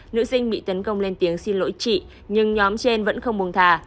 nữ sinh bị tấn công lên tiếng xin lỗi chị nhưng nhóm trên vẫn không buồng thà